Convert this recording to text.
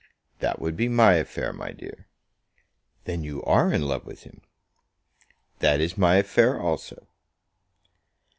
"That would be my affair, my dear." "Then you are in love with him?" "That is my affair also."